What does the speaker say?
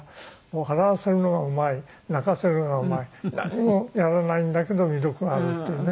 笑わせるのがうまい泣かせるのがうまい何もやらないんだけど魅力があるっていうね